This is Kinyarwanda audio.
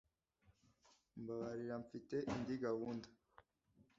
Mbabarira Mfite indi gahunda